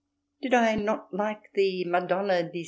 Did I not like the "Madonna di S.